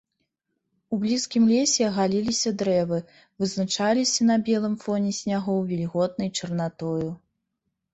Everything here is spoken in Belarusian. У блізкім лесе агаліліся дрэвы, вызначаліся на белым фоне снягоў вільготнай чарнатою.